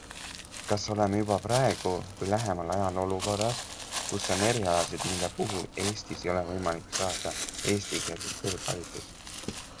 Kas oleme juba praegu või lähemal ajal olukorras, kus on erialasid, mille puhul Eestis ei ole võimalik saada eestikeelset kõrgharidust?